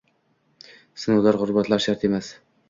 sinovlar, gʼurbatlar shart emas